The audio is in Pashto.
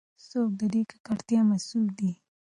څوک د دې ککړتیا مسؤل دی؟